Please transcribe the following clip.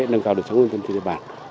nâng cao được sống nguyên tâm trên địa bàn